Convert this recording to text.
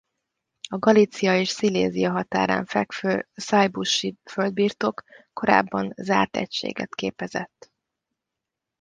A Galícia és Szilézia határán fekvő saybusch-i földbirtok korábban zárt egységet képezett.